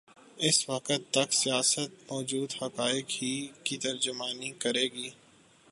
اس وقت تک سیاست موجود حقائق ہی کی ترجمانی کرے گی۔